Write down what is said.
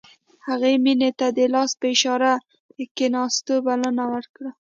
هغه مينې ته د لاس په اشاره د کښېناستو بلنه ورکړه.